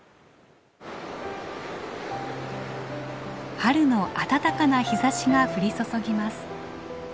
春の暖かな日ざしが降り注ぎます。